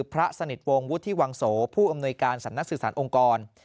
พระสนิทวงศ์วุฒิวังโสผู้อำนวยการสำนักสื่อสารองค์กร